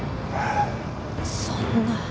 そんな。